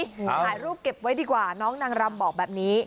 ถ่ายรูปเก็บไว้ดีกว่าน้องนางรำบอกแบบนี้